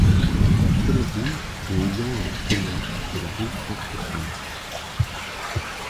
La seule rue y ayant un tenant est la rue Sainte-Catherine.